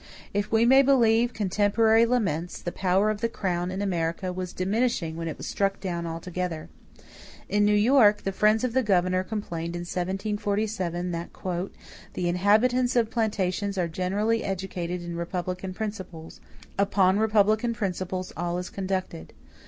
If we may believe contemporary laments, the power of the crown in America was diminishing when it was struck down altogether. In New York, the friends of the governor complained in 1747 that "the inhabitants of plantations are generally educated in republican principles; upon republican principles all is conducted.